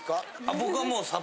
僕はもう。